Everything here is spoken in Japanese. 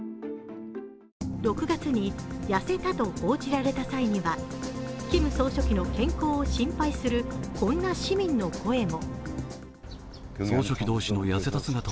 ６月に痩せたと報じられた際にはキム総書記の健康を心配する、こんな市民の声も。